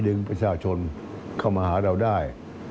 ดึงประชาชนเข้ามาหาเราได้